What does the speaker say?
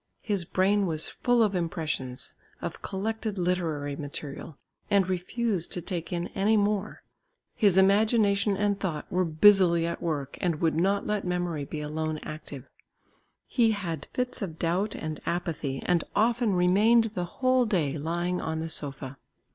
His brain was full of impressions, of collected literary material, and refused to take in any more; his imagination and thought were busily at work and would not let memory be alone active; he had fits of doubt and apathy and often remained the whole day lying on the sofa.